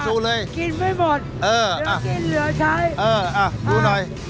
กินไม่หมดเดี๋ยวกินเหลือใช้